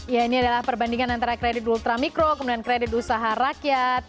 ya ini adalah perbandingan antara kredit ultramikro kemudian kredit usaha rakyat